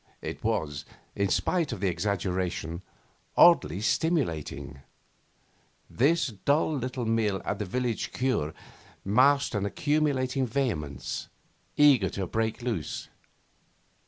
It was, in spite of the exaggeration, oddly stimulating. This dull little meal at the village cure masked an accumulating vehemence, eager to break loose.